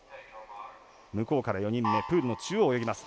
向こうから４人目プールの中央を泳ぎます。